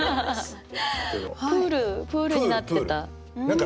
プールプールになってた。